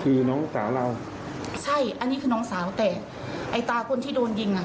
คือน้องสาวเราใช่อันนี้คือน้องสาวแต่ไอ้ตาคนที่โดนยิงอ่ะ